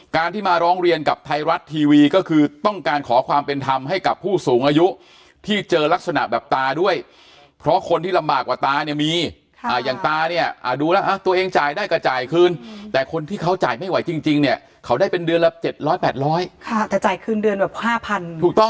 การที่มาร้องเรียนกับไทยรัฐทีวีก็คือต้องการขอความเป็นธรรมให้กับผู้สูงอายุที่เจอลักษณะแบบตาด้วยเพราะคนที่ลำบากกว่าตาเนี่ยมีอย่างตาเนี่ยดูแล้วตัวเองจ่ายได้ก็จ่ายคืนแต่คนที่เขาจ่ายไม่ไหวจริงเนี่ยเขาได้เป็นเดือนละ๗๐๐๘๐๐ค่ะแต่จ่ายคืนเดือนแบบห้าพันถูกต้อง